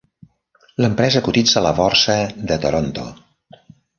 L'empresa cotitza a la Borsa de Toronto.